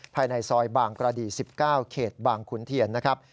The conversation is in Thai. ภายในซอยบางกระดี๑๙เขตบางขุนเทียนนะครับ